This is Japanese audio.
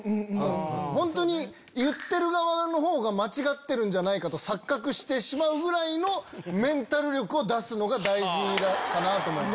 本当に言ってる側のほうが間違ってるんじゃないかと錯覚してしまうぐらいのメンタル力を出すのが大事かなと思います。